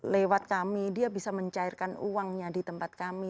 lewat kami dia bisa mencairkan uangnya di tempat kami